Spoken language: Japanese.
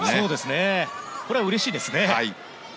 これはうれしいですね。